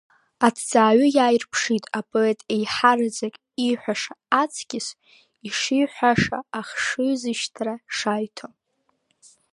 Аҭҵааҩы иааирԥшит апоет еиҳараӡак ииҳәаша аҵкьыс ишиҳәаша ахшыҩзышьҭра шаиҭо.